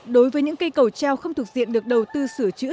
đối với những cây cầu treo không thuộc diện được đầu tư sửa chữa